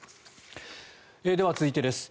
では続いてです。